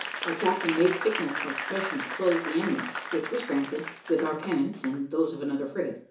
Our captain made signal for permission to close the enemy, which was granted, with our pennants, and those of another frigate.